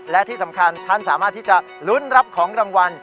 และที่สำคัญท่านสามารถที่จะลุ้นรับของรางวัล